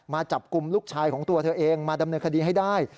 มาจับกลุ่มลูกชายของตัวเธอเองมาดำเนินคดีให้ได้